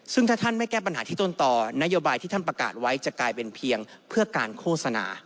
ซึ่งถ้าท่านไม่แก้ปัญหาที่ต้นต่อนโยบายที่ท่านประกาศไว้จะกลายเป็นเพียงเพื่อการโฆษณา